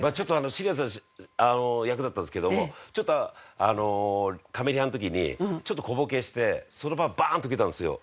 シリアスな役だったんですけどもカメリハの時にちょっと小ボケしてその場はバーンとウケたんですよ。